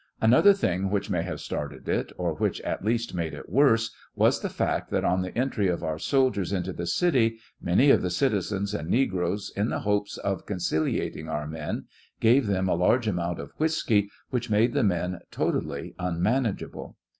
Another thing which may have started it, or which at least made it worse, was the fact that on the entry of our soldiers into the city, many of the citizens and negroes, in the hopes of conciliating our men, gave them a large amount of whiskey, which made the men totally unmanageable.